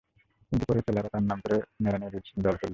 কিন্তু পরে চেলারা তাঁর নাম করে নেড়া-নেড়ীর দল করলে।